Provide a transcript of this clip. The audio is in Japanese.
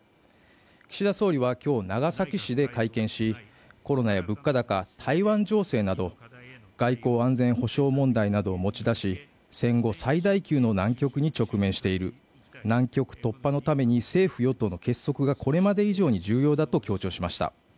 岸田総理は今日、長崎市で会見し、コロナや物価高、台湾情勢など外交・安全保障問題などを持ち出し、戦後最大級の難局に直面している、難局突破のために政府・与党の結束がこれまで以上に重要だと強調しました。